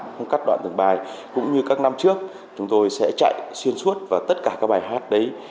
không cắt đoạn đường bài cũng như các năm trước chúng tôi sẽ chạy xuyên suốt và tất cả các bài hát đấy